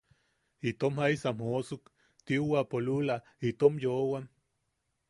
Itom jaisam joosuk tiuwapo lula itom yoʼowam.